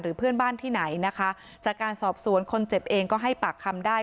เพื่อนบ้านที่ไหนนะคะจากการสอบสวนคนเจ็บเองก็ให้ปากคำได้